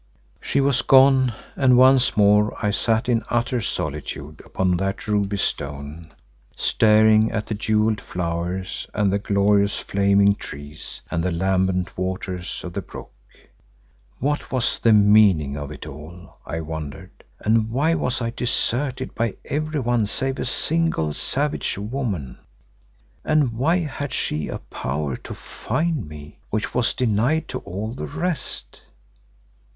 She was gone and once more I sat in utter solitude upon that ruby stone, staring at the jewelled flowers and the glorious flaming trees and the lambent waters of the brook. What was the meaning of it all, I wondered, and why was I deserted by everyone save a single savage woman, and why had she a power to find me which was denied to all the rest?